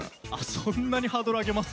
そんなにハードル上げます？